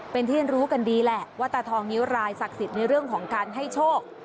เป็นที่รู้กันดีแหละว่าตาทองนิ้วรายศักดิ์สิทธิ์ในเรื่องของการให้โชค